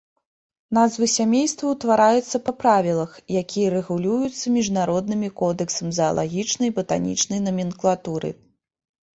Назвы сямействаў ўтвараюцца па правілах, якія рэгулююцца міжнароднымі кодэксам заалагічнай і батанічнай наменклатуры.